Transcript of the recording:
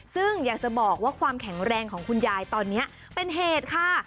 ซึ่งอยากจะบอกว่าความแข็งแรงของคุณยายตอนนี้เป็นเหตุค่ะ